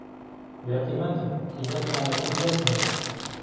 بێ قيمهتن قیمهتیان له کن کهس نییه